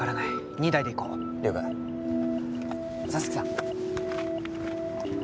２台で行こう了解沙月さん